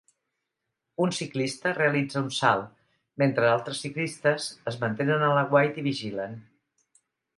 Un ciclista realitza un salt mentre altres ciclistes es mantenen a l'aguait i vigilen.